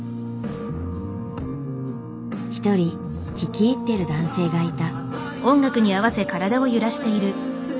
一人聞き入ってる男性がいた。